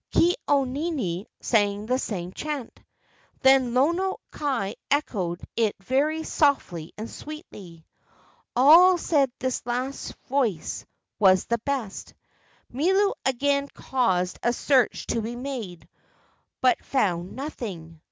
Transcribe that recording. Ke au nini sang the same chant. Then Lono kai echoed it very softly and sweetly. All said this last voice was the best. Milu again caused a search to be made, but found nothing.